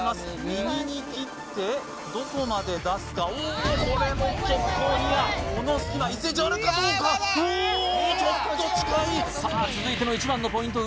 右に切ってどこまで出すかおっこれも結構ニアこの隙間１ｃｍあるかどうかおっちょっと近いさあ続いての一番のポイント